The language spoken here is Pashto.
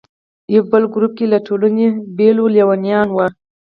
یو بل ګروپ چې له ټولنې بېل و، لیونیان وو.